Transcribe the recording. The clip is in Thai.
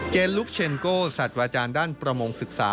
ลุกเชนโก้สัตว์อาจารย์ด้านประมงศึกษา